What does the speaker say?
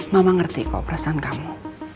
mama ngerti kok perasaan kamu